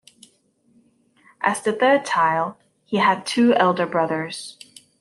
As the third child, he had two elder brothers.